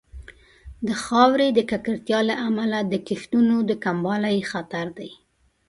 د خاورې د ککړتیا له امله د کښتونو د کموالي خطر دی.